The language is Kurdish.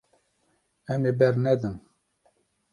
Em ê bernedin.